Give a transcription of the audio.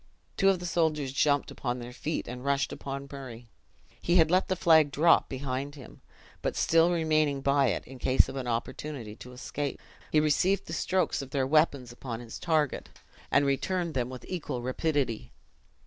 Two of the soldiers jumped upon their feet, and rushed upon Murray. He had let the flag drop behind him; but still remaining by it, in case of an opportunity to escape, he received the strokes of their weapons upon his target, and returned them with equal rapidity.